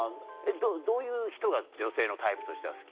どういう人が女性のタイプとしては好き？